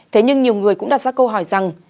thế nhưng nhiều người cũng đặt ra câu hỏi rằng